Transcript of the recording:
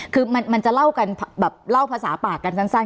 คือมันจะเล่ากันแบบเล่าภาษาปากกันสั้น